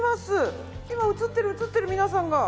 今映ってる映ってる皆さんが。